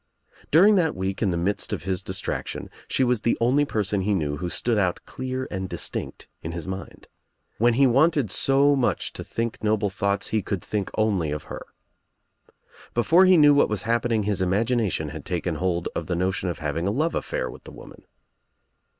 During that week in the midst of his distraction she was the only person he knew who stood out clear and distinct in his mind. When he wanted so much to think noble thoughts he could think only of her. Before he knew what was happening his imagination had taken hold of the notion of having a iove affair with the woman.